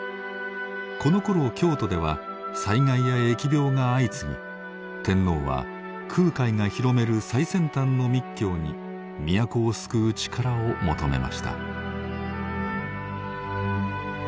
このころ京都では災害や疫病が相次ぎ天皇は空海が広める最先端の密教に都を救う力を求めました。